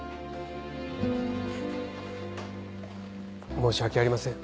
申し訳ありません